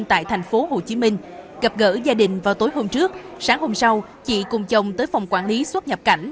tại tp hcm gặp gỡ gia đình vào tối hôm trước sáng hôm sau chị cùng chồng tới phòng quản lý xuất nhập cảnh